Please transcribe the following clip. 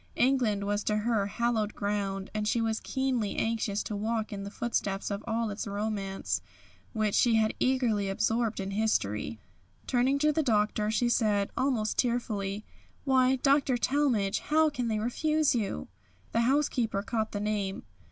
England was to her hallowed ground, and she was keenly anxious to walk in the footsteps of all its romance, which she had eagerly absorbed in history. Turning to the Doctor, she said, almost tearfully: "Why, Doctor Talmage, how can they refuse you?" The housekeeper caught the name.